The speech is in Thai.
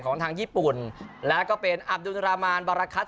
ของทางญี่ปุ่นแล้วก็เป็นอับดุลรามานบารคัต